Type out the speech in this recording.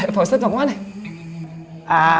pak ustadz mau ke mana